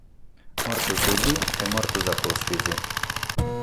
Mortos su die e mortos a pustis.